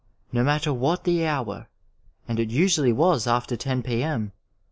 No matter what the hour, and it usually was after 10 p.m.